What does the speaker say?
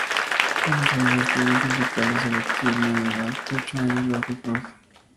Comenzó sus estudios musicales a la tierna edad de ocho años bajo el Prof.